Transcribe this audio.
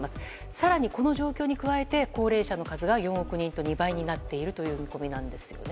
更に、この状況に加えて高齢者の数が４億人と２倍になっているという見込みなんですよね。